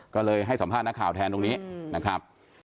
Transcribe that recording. ก็เลยให้สัมภาษณ์นักข่าวแทนตรงนี้นะครับ